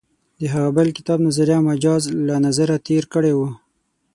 د هغه بل کتاب «نظریه مجاز» له نظره تېر کړی و.